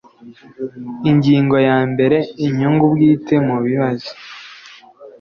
Ingingo ya mbere Inyungu bwite mu bibazo